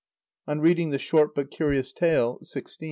On reading the short but curious tale (xvi.)